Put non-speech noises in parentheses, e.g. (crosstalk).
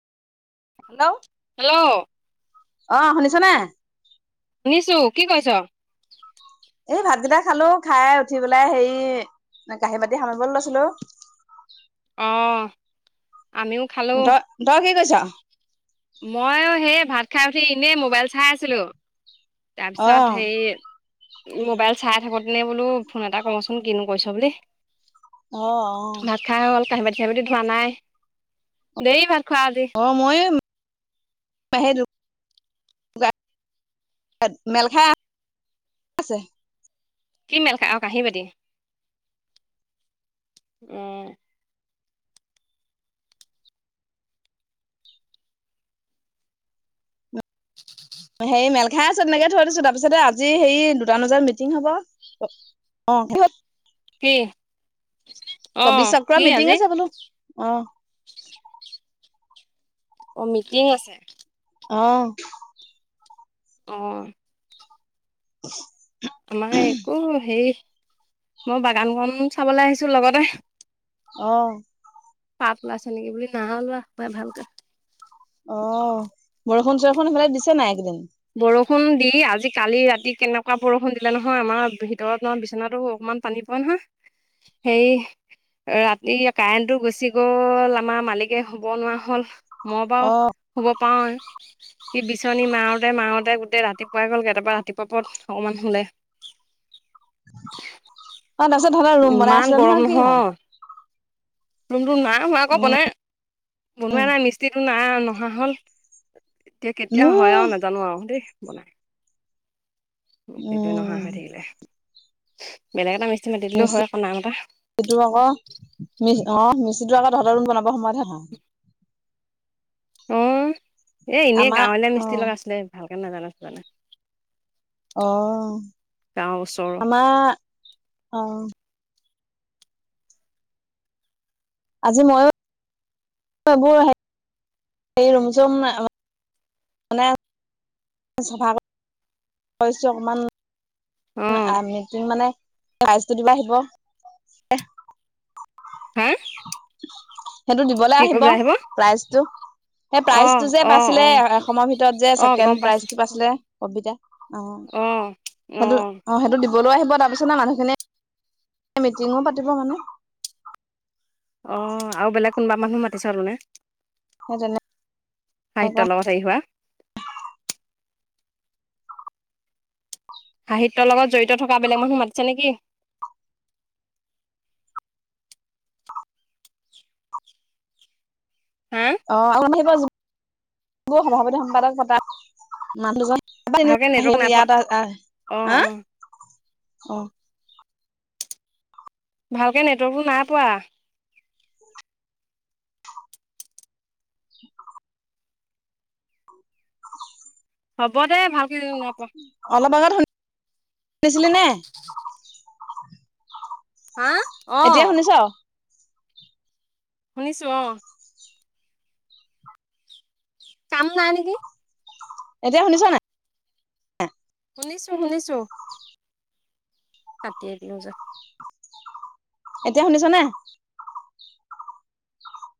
Hello? Hello? অ', শুনিছনে? শুনিছোঁ কি কৰিছ? এই ভাতকেইটা খালো খাই উঠি পেলাই হেৰি কাঁহী বাতি সামৰিবলৈ লৈছিলো। অঁ', আমিও খালো তই কি কৰিছ? মইও সেই ভাত খাই উঠি এনেই মোবাইল চাই আছিলোঁ। অ তাৰপিছত সেই মোবাইল চাই থাকোতে নে বোলো ফোন এটা কমচোন কিনো কৰিছ বুলি। অ', অ'। ভাত খাই হ'ল কাঁহী বাতি চাহি বতি ধোৱা নাই দেৰি ভাত খোৱা আজি। অ', মইও (unintelligible) (unintelligible) মেলখাই আছে। কি মেল খায় অ', কাঁহি বাতি। উম। হেৰি মেল খাই আছে তেনেকে থৈ দিছো তাৰপিছতে আজি হেৰি দুটান বজাত মিটিং হব। অ'। কি? অ কবি কি চক্ৰৰ মিটিং আজি আছে বোলো অ'। অ', মিটিং আছে? অ'। অ'। উ (unintelligible) আমাৰ একো হেই মই বাগানখন চাবলৈ আহিছোঁ, লগতে অ'। পাপ ওলাইছে নেকি বুলি নাই ওলোৱা পাই ভালকে। অ' বৰষুণ চৰষুণ সেইফালে দিছে নাই একেইদিন? বৰষুণ দি আজি কালি ৰাতি কেনেকুৱা বৰষুণ দিলে নহয় আমাৰ ভিতৰত ম বিচনাতো অকমান পানী পৰে নহয়। হেই ৰাতি কাৰেণ্টটো গুচি গ'ল আমাৰ মালিকে শুব নোৱাৰা হ'ল। মই অ বাৰু শুব পাৰো সি বিচনী মাৰ ৰোতে মাৰোতে গোটেই ৰাতিপুৱাই গ'লগৈ, তাৰপা ৰাতিপুৱা পৰত অকমান শুলে। অ নাছ ধন (unintelligible) ইমান গৰম নহয়। ৰুমটো নাই হোৱা আকৌ উম বনাই, বনোৱা নাই মিস্ত্ৰীটো না নহা হ'ল। এতিয়া কেতিয়া হয় আৰু উম নাজানো আৰু দেই বনাই। মিস্ত্ৰীটোৱে নহা উম হৈ থাকিলে, বেলেগ এটা মিস্ত্ৰী মাতি দিলেওঁ হয় আকৌ নাই মতা। সিটো আকৌ মি অ মিস্ত্ৰীটো আকৌ তহ'তৰ ৰুম বনাব সময়হে নহা হয়। অ এ এনে আমাৰ গাঁৱলীয়া অ মিস্ত্ৰী লগাইছিলে ভালকে নাজানে ছাজানে অ' গাঁৱৰ ওচৰৰ আমাৰ অ'। আজি মইয়ো (unintelligible) এই ৰুম চুম মানে চফা কৰি ছো অকমান অ আমিতো মানে প্ৰাইজটো দিব আহিব। হা সেইটো দিবলৈ কি আহিব কবলৈ প্ৰাইজটো। সেই অ প্ৰাইজটো যে অ পাইছিলে অ এ অসমৰ ভিতৰত যে অ গম ছেকেণ্ড পাইছো প্ৰাইজটো পাইছিলে কবিতা অ'। অ সেইটো অ' সেইটো দিবলৈ আহিব তাৰপিছতে মানুহখিনি মিটিঙো পাতিব মানে। অ' আৰু বেলেগ কোনোবা মানুহ মাতিছ আৰু মানে। সৌ জানে সাহিত্যৰ লগত হেৰি হোৱা। সাহিত্যৰ লগত জড়িত থকা বেলেগ মানুহ মাতিছে নেকি? হা অ আৰু (unintelligible) সব সভাপতি সম্পাদক পতা মানুহ দুজন ত এ ভালকে নেটৱৰ্ক সিহত নাই পোৱা ইয়াত অ আহ অ হ অ (unintelligible) ভালকৈ নেটৱৰ্কটো নাই পোৱা। (unintelligible) হ'ব দে ভালকে যদি নাইপোৱা। অলপ আগত শুনিছিলি নে? হা অ'। এতিয়া শুনিছ শুনিছোঁ অ'। কাম নাই নেকি? এতিয়া শুনিছনে নাই? শুনিছোঁ শুনিছোঁ। কাটি দিওঁ যো (inaudible) এতিয়া শুনিছ নে?